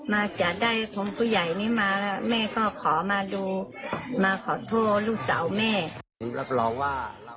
มาจะได้ผู้ใหญ่นี้มาแม่ก็ขอมาดูมาขอโทษลูกสาวแม่